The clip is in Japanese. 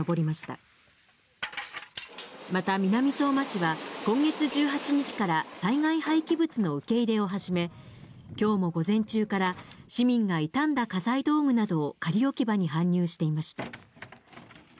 また南相馬市は、今月１８日から災害廃棄物の受け入れを始め、きょうも午前中から市民が傷んだ家財道具などを仮置き場に搬入していました。